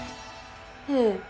ええ。